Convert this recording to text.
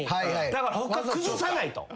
だから他崩さないと。